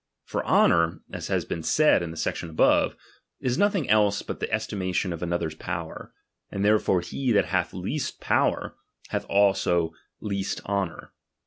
For honour, as hath been said in the section above, is nothing else but the estimation of another's power ; and therefore he that hath least power, hath always least honour.